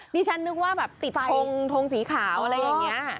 ดิฉันนึกว่าแบบติดทงทงสีขาวอะไรอย่างนี้